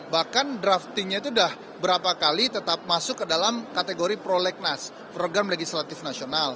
bahkan draftingnya itu sudah berapa kali tetap masuk ke dalam kategori prolegnas program legislatif nasional